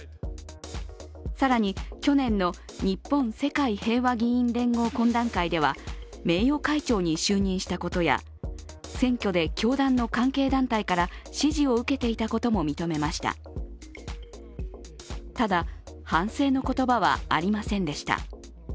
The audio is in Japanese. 更に去年の日本・世界平和議員連合懇談会では、名誉会長に就任したことや選挙で教団の関係団体からただ、反省の言葉はありませんでした。